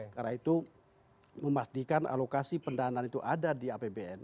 karena itu memastikan alokasi pendanaan itu ada di apbn